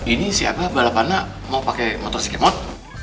ini si abah balap anak mau pakai motor si kemot